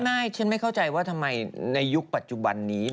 ไม่ฉันไม่เข้าใจว่าทำไมในยุคปัจจุบันนี้